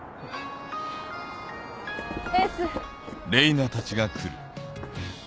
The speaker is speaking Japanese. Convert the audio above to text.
エース。